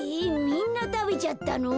みんなたべちゃったの？